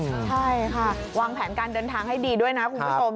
ใช่ค่ะวางแผนการเดินทางให้ดีด้วยนะคุณผู้ชม